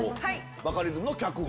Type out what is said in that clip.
バカリズムの脚本。